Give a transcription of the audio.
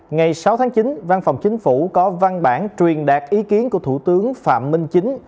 ngày sáu tháng chín văn phòng chính phủ có văn bản truyền đạt ý kiến của thủ tướng phạm minh chính